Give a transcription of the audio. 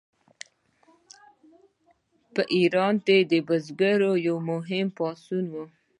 په ایران کې د بزګرانو یو بل مهم پاڅون و.